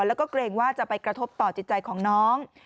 แล้วก็เกรงว่าจะไปกระทบต่อจิตใจของน้อง